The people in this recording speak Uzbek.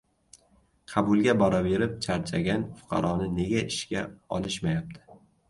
Qabulga boraverib charchagan fuqaroni nega ishga olishmayapti?